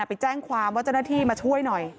ไปแจ้งความว่าเจ้าหน้าที่มาช่วยหน่อย